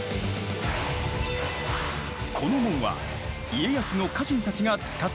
この門は家康の家臣たちが使っていた。